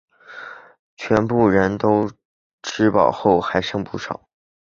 全部人都吃饱后还剩不少